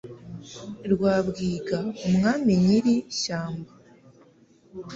rwabwiga umwami nyiri ishyamba,